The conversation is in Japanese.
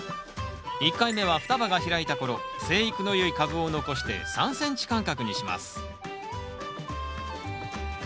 １回目は双葉が開いた頃生育のよい株を残して３ｃｍ間隔にします。